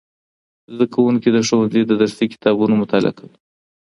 زدهکوونکي د ښوونځي د درسي کتابونو مطالعه کوي.